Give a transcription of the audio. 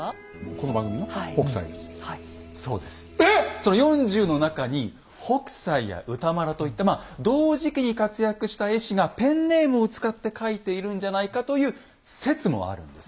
その４０の中に北斎や歌麿といったまあ同時期に活躍した絵師がペンネームを使って描いているんじゃないかという説もあるんです。